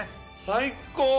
最高！